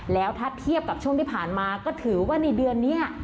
แล้วถ้าเทียบกับช่วงที่ผ่านมาก็ถือว่าในเดือนนี้